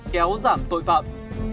kéo giảm tội phạm